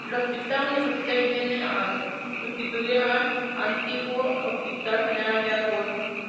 El Hospital Universitario viene a sustituir al antiguo Hospital General Yagüe.